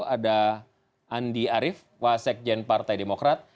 ada andi arief wasek jendepartai demokrat